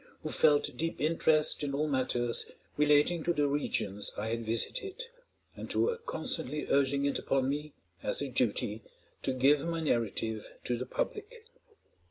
who felt deep interest in all matters relating to the regions I had visited, and who were constantly urging it upon me, as a duty, to give my narrative to the public.